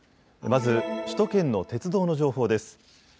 まず首都圏の鉄道の情報です。